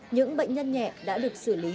những bệnh nhân nhẹ đã được xử lý